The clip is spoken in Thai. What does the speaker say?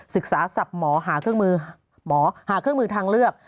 ศึกษาสับหมอหาเครื่องมือทางเลือก